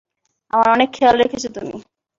আমার অনেক খেয়াল রেখেছো তুমি।